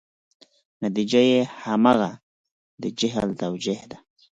نتیجه یې همغه د جهل توجیه ده.